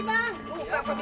maaf ya pak